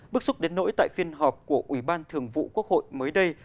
bức xúc đến nỗi tại phiên họp của ủy ban thường vụ quốc hội mới đây